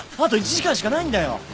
あと１時間しかないんだよ！